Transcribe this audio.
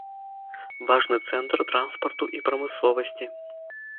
Важны цэнтр транспарту і прамысловасці.